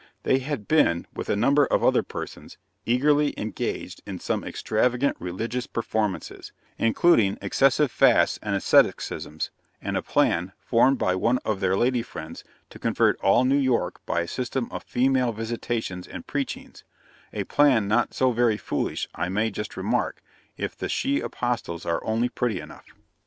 They had been, with a number of other persons, eagerly engaged in some extravagant religious performances, including excessive fasts and asceticisms, and a plan, formed by one of their lady friends, to convert all New York by a system of female visitations and preachings a plan not so very foolish, I may just remark, if the she apostles are only pretty enough!